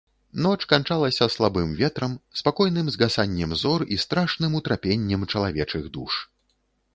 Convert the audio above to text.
Ноч канчалася слабым ветрам, спакойным згасаннем зор і страшным утрапеннем чалавечых душ.